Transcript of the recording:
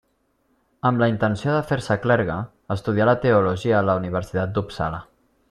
Amb la intenció de fer-se clergue, estudià teologia a la Universitat d’Uppsala.